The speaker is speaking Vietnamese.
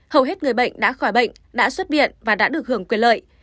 hầu hết người bệnh đã khỏi bệnh đã xuất viện và đã được hưởng quyền lợi